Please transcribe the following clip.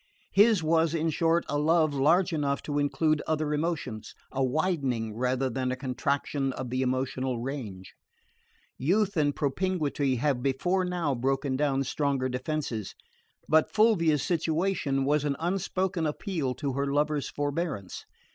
His was, in short, a love large enough to include other emotions: a widening rather than a contraction of the emotional range. Youth and propinquity have before now broken down stronger defences; but Fulvia's situation was an unspoken appeal to her lover's forbearance.